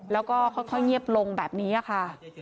แล้วก็ค่อยเงียบลงแบบนี้ค่ะ